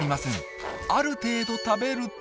ある程度食べると。